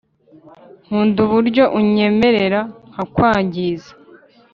nkunda uburyo unyemerera nkakwangiza